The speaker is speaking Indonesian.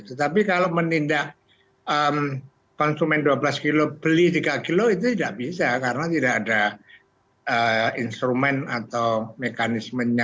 tetapi kalau menindak konsumen dua belas kg beli tiga kilo itu tidak bisa karena tidak ada instrumen atau mekanismenya